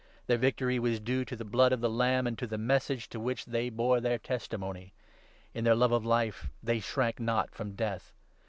Their victory was due to u the Blood of the Lamb, and to the Message to which they bore their testimony. In their love of life they shrank not from death.